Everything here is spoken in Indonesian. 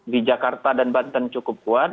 di jakarta dan banten cukup kuat